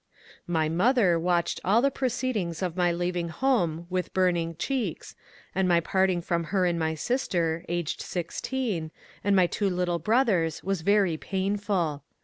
My mother watched all the proceed ings of my leaving home with burning cheeks, and my parting from her and my sister, aged sixteen, and my two little bro thers was very painful.